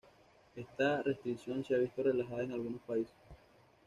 Esta restricción se ha visto relajada en algunos países.